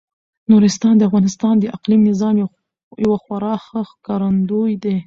نورستان د افغانستان د اقلیمي نظام یو خورا ښه ښکارندوی دی.